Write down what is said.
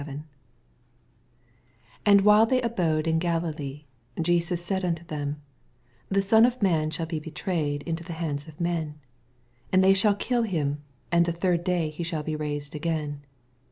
32 And while they abode in Galilee, Jesus said nnto them, TheSonof man shall be betrayed into the hands of men: 28 And they shall kill him, and the ihird day he shall be raised again.